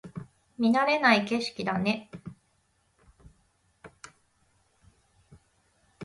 見慣れない景色だね